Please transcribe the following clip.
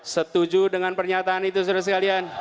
setuju dengan pernyataan itu saudara sekalian